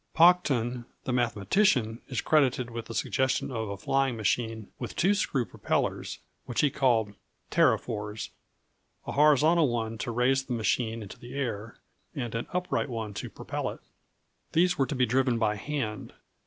Paucton, the mathematician, is credited with the suggestion of a flying machine with two screw propellers, which he called "pterophores" a horizontal one to raise the machine into the air, and an upright one to propel it. These were to be driven by hand.